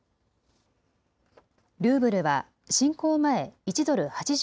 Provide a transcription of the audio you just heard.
ルーブルは侵攻前、１ドル８０